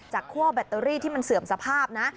คั่วแบตเตอรี่ที่มันเสื่อมสภาพนะ